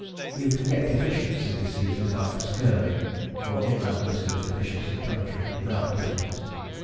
You can get deficiency diseases, like scurvy, for inland this is a deficiency country, without vitamines.